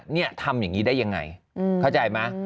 นี่ทำอย่างนี้ได้ยังไงเข้าใจไหม